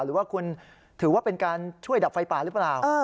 หรือว่าคุณถือว่าเป็นการช่วยดับไฟป่าหรือเปล่า